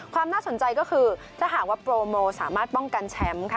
ความน่าสนใจก็คือถ้าหากว่าโปรโมสามารถป้องกันแชมป์ค่ะ